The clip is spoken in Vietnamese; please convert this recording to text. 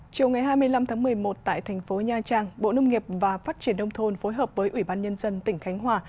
chiều ngày hai mươi năm tháng một mươi một tại thành phố nha trang bộ nông nghiệp và phát triển nông thôn phối hợp với ủy ban nhân dân tỉnh khánh hòa